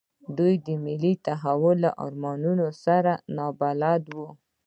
دوی د ملي تحول له ارمانونو سره نابلده وو.